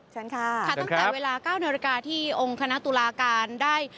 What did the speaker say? ตั้งแต่เวลา๙นาฬิกาที่องค์คณะตุลาการได้